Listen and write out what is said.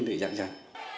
để giảng trải